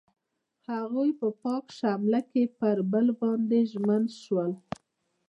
هغوی په پاک شعله کې پر بل باندې ژمن شول.